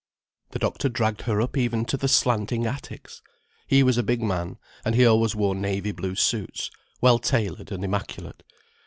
The doctor dragged her up even to the slanting attics. He was a big man, and he always wore navy blue suits, well tailored and immaculate.